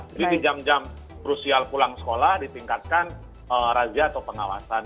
jadi di jam jam krusial pulang sekolah ditingkatkan razia atau pengawasan